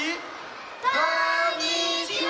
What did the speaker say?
こんにちは！